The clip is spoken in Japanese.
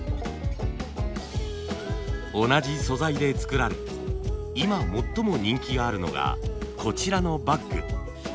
同じ素材で作られ今最も人気があるのがこちらのバッグ。